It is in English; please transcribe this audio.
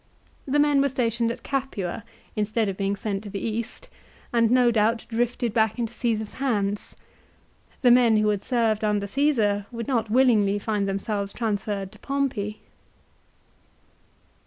The men were stationed at Capua, instead of being sent to the East, and no doubt drifted back into Cesar's hands. The men who had served under Csesar would not willingly find themselves transferred to Pompey.